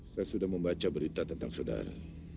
saya sudah membaca berita tentang saudara